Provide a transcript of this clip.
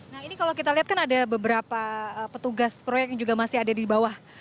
nah ini kalau kita lihat kan ada beberapa petugas proyek yang juga masih ada di bawah